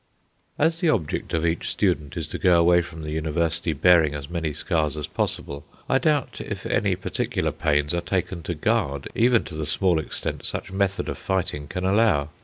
As the object of each student is to go away from the University bearing as many scars as possible, I doubt if any particular pains are taken to guard, even to the small extent such method of fighting can allow.